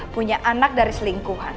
punya anak dari selingkuhan